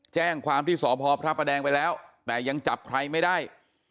แจ้งความที่สพพระประแดงไปแล้วแต่ยังจับใครไม่ได้